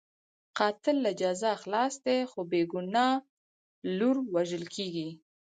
قاتل له جزا خلاص دی، خو بې ګناه لور وژل کېږي.